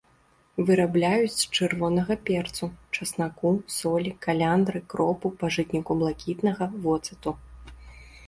Вырабляюць з чырвонага перцу, часнаку, солі, каляндры, кропу, пажытніку блакітнага, воцату.